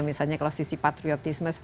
misalnya kalau sisi patriotisme